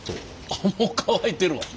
あっもう乾いてるわ！